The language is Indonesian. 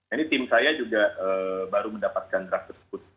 ini tim saya juga baru mendapatkan draft tersebut